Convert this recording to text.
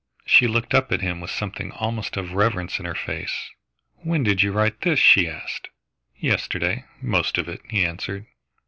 She looked up at him with something almost of reverence in her face. "When did you write this?" she asked. "Yesterday, most of it," he answered.